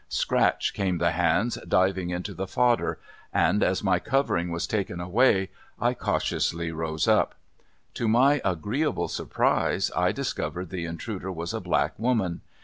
Scratch came the hands diving into the fodder, and as my covering was taken away I cautiously rose up. To my agreeable surprise I discovered the intruder was a black woman.